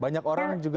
banyak orang juga